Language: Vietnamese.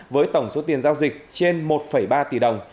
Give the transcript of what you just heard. với tổng số tiền giao dịch trên một ba tỷ đồng